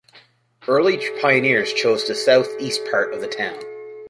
Early pioneers chose the southeast part of the town.